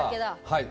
はい。